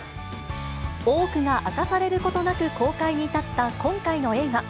多くが明かされることなく公開に至った今回の映画。